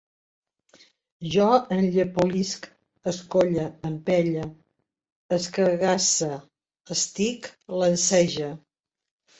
Jo enllepolisc, escolle, empelle, escagasse, estic, llancege